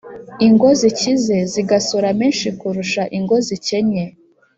ingo zikize zigasora menshi kurusha ingo zikennye.